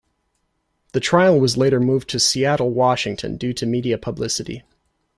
The trial was later moved to Seattle, Washington due to media publicity.